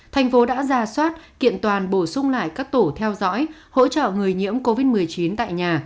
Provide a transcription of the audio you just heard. thành phố đã ra soát kiện toàn bổ sung lại các tổ theo dõi hỗ trợ người nhiễm covid một mươi chín tại nhà